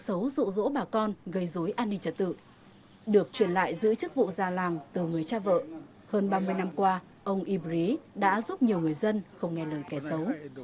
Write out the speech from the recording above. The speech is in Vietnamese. xấu rụ rỗ bà con gây dối an ninh trật tự được truyền lại giữ chức vụ già làng từ người cha vợ hơn ba mươi năm qua ông ybri đã giúp nhiều người dân không nghe lời kẻ xấu